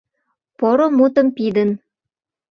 Поро мутым пидын